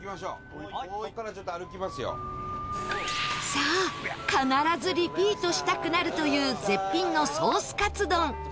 さあ必ずリピートしたくなるという絶品のソースカツ丼。